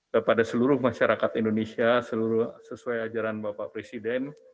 kepada seluruh masyarakat indonesia sesuai ajaran bapak presiden